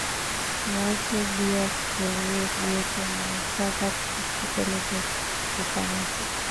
Mu weke bia kuria bioto mu ma nsaka tu ka peleke ku kanisa